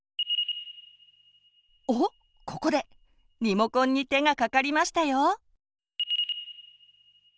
ここでリモコンに手がかかりましたよ。